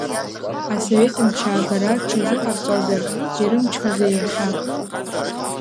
Асовет мчы аагара рҽазыҟарҵозар, ирымчузеи иахьа?!